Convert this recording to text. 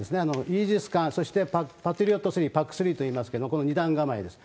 イージス艦、そしてパトリオット３、ＰＡＣ３といいますけれども、２弾構えです。